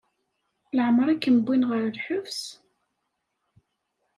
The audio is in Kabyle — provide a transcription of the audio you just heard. Leɛmeṛ i kem-wwin ɣer lḥebs?